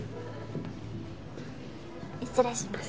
失礼します。